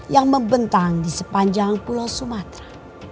yang membentang di sepanjang pulau sumatera